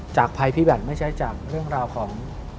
ภัยพิบัตรไม่ใช่จากเรื่องราวของ